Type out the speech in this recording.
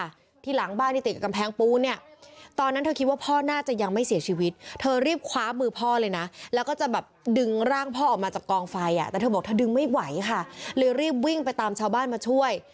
รีบวิ่งไปตามชาวบ้านมาช่วย